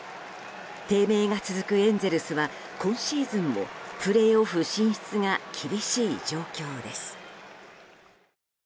低迷が続くエンゼルスは今シーズンもプレーオフ進出が厳しい状況です。